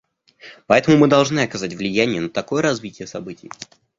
Поэтому мы должны оказать влияние на такое развитие событий.